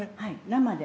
生で。